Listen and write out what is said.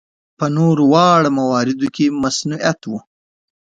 په نورو واړه مواردو کې مصنوعیت و.